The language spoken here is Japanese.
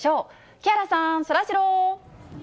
木原さん、そらジロー。